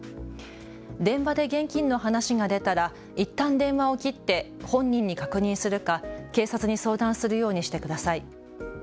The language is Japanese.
電話で現金の話が出たらいったん電話を切って本人に確認するか警察に相談するようにしてください。